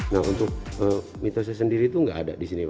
nah untuk mitosnya sendiri itu nggak ada di sini